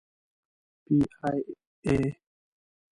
پی ای اې.